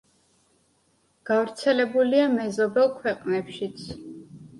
გავრცელებულია მეზობელ ქვეყნებშიც.